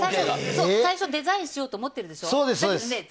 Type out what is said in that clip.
最初デザインしようと思っているでしょ。